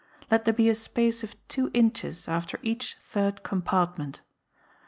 Let there be a space of two inches after each third compartment.